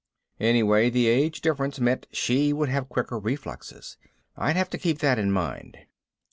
Anyway, the age difference meant she would have quicker reflexes. I'd have to keep that in mind.